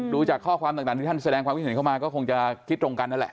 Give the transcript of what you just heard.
ดูจากข้อความต่างที่ท่านแสดงความคิดเห็นเข้ามาก็คงจะคิดตรงกันนั่นแหละ